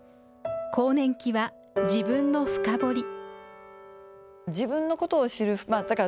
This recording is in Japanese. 更年期は自分の深堀り。